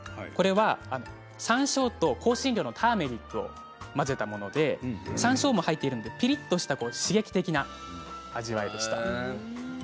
これは、さんしょうと香辛料のターメリックを混ぜたものでさんしょうも入っているのでピリッとした刺激的な味わいでした。